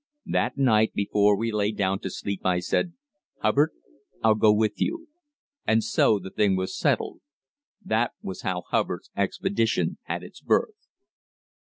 That night before we lay down to sleep I said: "Hubbard, I'll go with you." And so the thing was settled that was how Hubbard's expedition had its birth.